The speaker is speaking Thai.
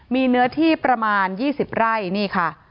มีเนื้อที่ประมาณ๒๐ไร่นี่ค่ะ